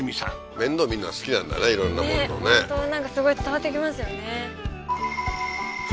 面倒見んのが好きなんだね色んなもんのねすごい伝わってきますよね